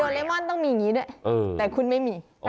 เลมอนต้องมีอย่างนี้ด้วยแต่คุณไม่มี